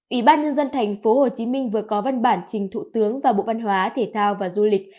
ủy ban nhân dân thành phố hồ chí minh vừa có văn bản trình thủ tướng và bộ văn hóa thể thao và du lịch